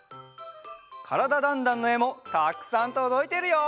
「からだ★ダンダン」のえもたくさんとどいてるよ！